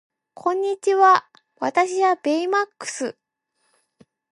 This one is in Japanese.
こんにちは私はベイマックス